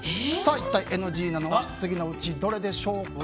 一体ＮＧなのは次のうちどれでしょうか。